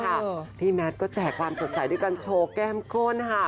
ที่บ้านเลยค่ะพี่แมทก็แจกความสงสัยด้วยการโชว์แก้มโก้นค่ะ